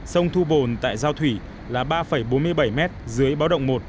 sông thu bồn tại giao thủy là ba bốn mươi bảy m dưới báo động một